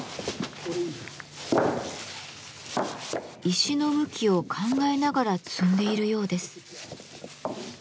石の向きを考えながら積んでいるようです。